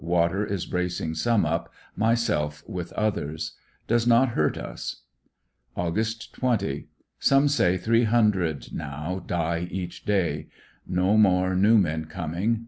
Water is bracing some up, myself with others. Does not hurt us. Aug. 20. — Some say three hundred now die each day No more new men coming.